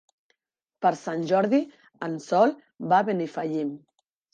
Per Sant Jordi en Sol va a Benifallim.